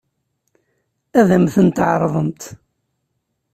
Ad m-tent-ɛeṛḍent?